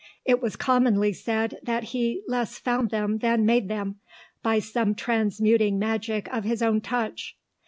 It was commonly said that he less found them than made them, by some transmuting magic of his own touch.